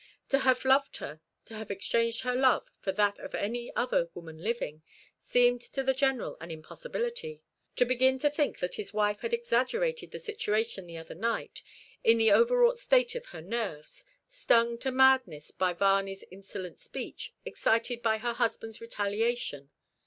To have loved her, and to have exchanged her love for that of any other woman living, seemed to the General an impossibility. He began to think that his wife had exaggerated the situation the other night, in the overwrought state of her nerves, stung to madness by Varney's insolent speech, excited by her husband's retaliation.